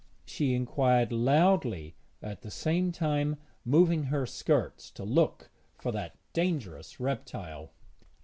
she inquired loudly, at the same time moving her skirts to look for that dangerous reptile.